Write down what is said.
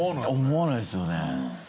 思わないですよね。